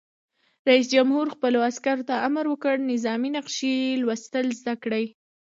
رئیس جمهور خپلو عسکرو ته امر وکړ؛ نظامي نقشې لوستل زده کړئ!